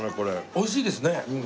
おいしいですね。